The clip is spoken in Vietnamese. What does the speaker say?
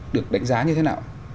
được đánh giá như thế nào